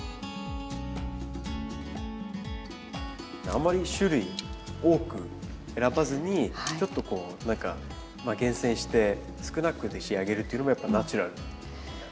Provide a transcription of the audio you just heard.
あまり種類多く選ばずにちょっとこう何か厳選して少なくで仕上げるっていうのもやっぱナチュラルな？